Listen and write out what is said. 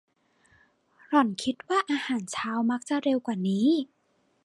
หล่อนคิดว่าอาหารเช้ามักจะเร็วกว่านี้